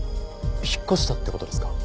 引っ越したって事ですか？